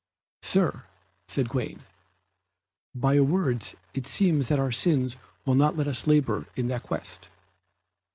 "Sir," said Gawaine, "by your words it seems that our sins will not let us labour in that quest?"